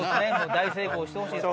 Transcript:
大成功してほしいです。